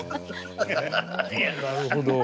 なるほど。